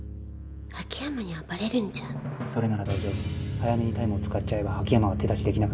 早めにタイムを使っちゃえば秋山は手出しできなくなる